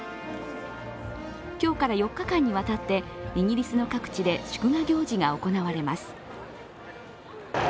今日から４日間にわたって、イギリスの各地で祝賀行事が行われます。